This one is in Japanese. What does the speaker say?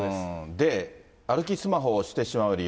で、歩きスマホをしてしまう理由。